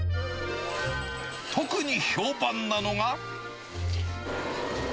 特に評判なのが。